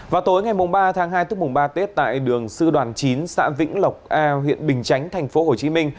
vào tối ngày ba tháng hai tức mùng ba tết tại đường sư đoàn chín xã vĩnh lộc a huyện bình chánh tp hcm